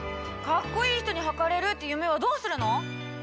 かっこいい人にはかれるって夢はどうするの！？